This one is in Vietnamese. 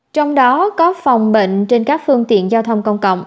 trong đó có phòng bệnh trên các phương tiện giao thông công cộng